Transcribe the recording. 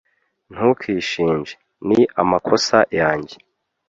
Ntukishinje. Ni amakosa yanjye.